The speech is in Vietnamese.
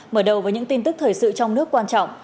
mở đầu với những tin tức thời sự trong nước quan trọng